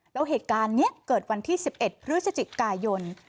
แล้วเหตุการณ์นี้เกิดวันที่๑๑พฤศจิกายน